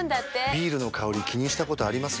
ビールの香り気にしたことあります？